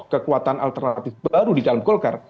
kekuatan alternatif baru di dalam golkar